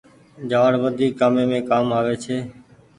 جآڙ وڌيڪ ڪآمي مين ڪآم آوي ڇي۔